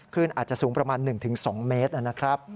อาจจะสูงประมาณ๑๒เมตรนะครับ